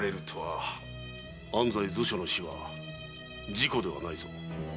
安西図書の死は事故ではないぞ。